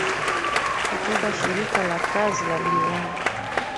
kutoka shirika la kazi la duniani